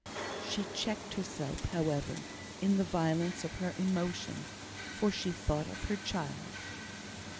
She checked herself, however, in the violence of her emotion, for she thought of her child.